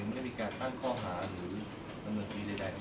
ยังไม่มีการตั้งค้อหาหรือ